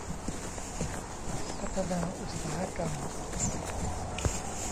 พัฒนาอุตสาหกรรม